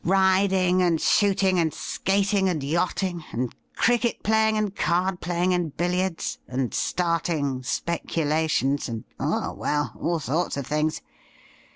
Riding, and shooting, and skating, and yachting, and cricket playing, and card playing, and billiards, and starting speculations, and — oh, well, all sorts of things.